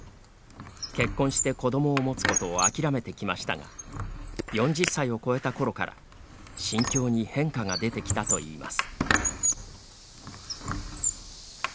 結婚して子どもを持つことを諦めてきましたが４０歳を越えたころから心境に変化が出てきたといいます。